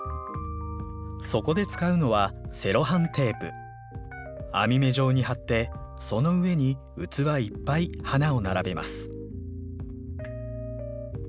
そこで使うのは網目状に張ってその上に器いっぱい花を並べます。